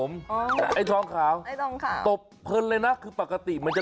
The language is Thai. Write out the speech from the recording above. มันไล่ตบไอลูกบอลนี่แทป